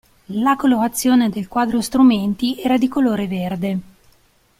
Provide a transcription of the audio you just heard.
La colorazione del quadro strumenti era di colore verde.